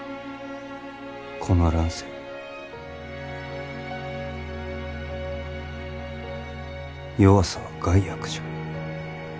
この乱世弱さは害悪じゃ。